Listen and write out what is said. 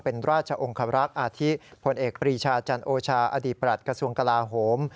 เป็นราชองคระราคอพลพรีชาจันโอชาอดีตประหลัดกระสวงกลาโหม